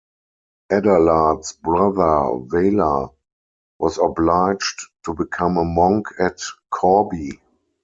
Adalard's brother Wala was obliged to become a monk at Corbie.